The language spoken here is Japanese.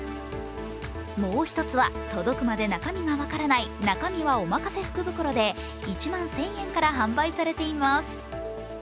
もう一つは届くまで中身が分からない、中身はおまかせ福袋で１万１０００円から販売されています。